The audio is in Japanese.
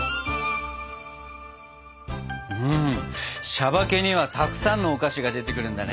「しゃばけ」にはたくさんのお菓子が出てくるんだね。